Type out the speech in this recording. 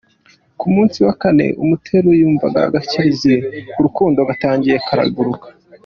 Ku munsi wa kane, muteruye, numva agakezekezi k’urukundo gatangiye kagaruka.